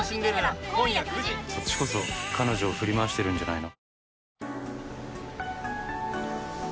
「そっちこそ彼女を振り回してるんじゃないの？」